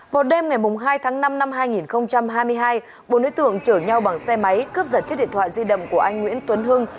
vào đêm ngày hai tháng năm năm hai nghìn hai mươi hai bốn đối tượng chở nhau bằng xe máy cướp giật chiếc điện thoại di động của anh nguyễn tuấn hưng